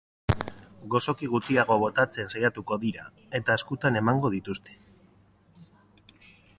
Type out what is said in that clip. Gozoki gutxiago botatzen saiatuko dira, eta eskutan emango dituzte.